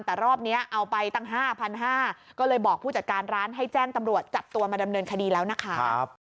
แต่รอบนี้เอาไปตั้ง๕๕๐๐ก็เลยบอกผู้จัดการร้านให้แจ้งตำรวจจับตัวมาดำเนินคดีแล้วนะคะ